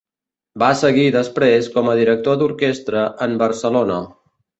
Va seguir després com a director d'orquestra en Barcelona.